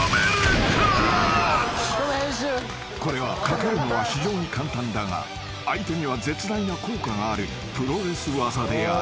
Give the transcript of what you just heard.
［これはかけるのは非常に簡単だが相手には絶大な効果があるプロレス技である］